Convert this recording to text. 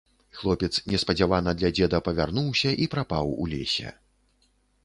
Хлопец неспадзявана для дзеда павярнуўся і прапаў у лесе.